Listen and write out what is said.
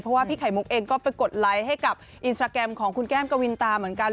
เพราะว่าพี่ไข่มุกเองก็ไปกดไลค์ให้กับอินสตราแกรมของคุณแก้มกวินตาเหมือนกัน